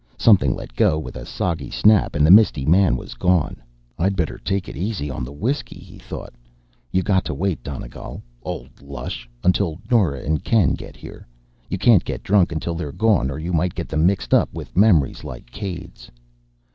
Something let go with a soggy snap, and the misty man was gone. I'd better take it easy on the whiskey, he thought. You got to wait, Donegal, old lush, until Nora and Ken get here. You can't get drunk until they're gone, or you might get them mixed up with memories like Caid's.